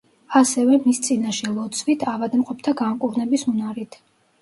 ასევე მის წინაშე ლოცვით ავადმყოფთა განკურნების უნარით.